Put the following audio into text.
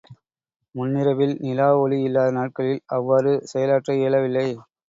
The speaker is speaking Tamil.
முன்னிரவில் நிலா ஒளி இல்லாத நாட்களில் அவ்வாறு செயலாற்ற இயலவில்லை.